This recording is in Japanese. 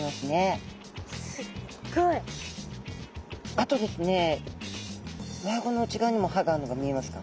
あとですねうわあごの内側にも歯があるのが見えますか？